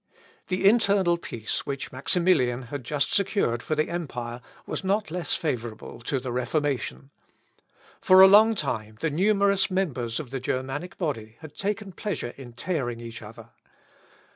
The internal peace which Maximilian had just secured for the empire was not less favourable to the Reformation. For a long time the numerous members of the Germanic body had taken pleasure in tearing each other.